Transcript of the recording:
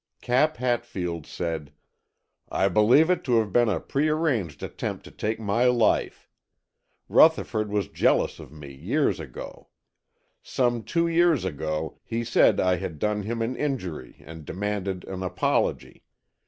Cap Hatfield said: "I believe it to have been a prearranged attempt to take my life. Rutherford was jealous of me years ago. Some two years ago he said I had done him an injury and demanded an apology.